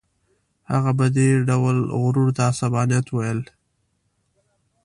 هغه به دې ډول غرور ته عصبانیت ویل.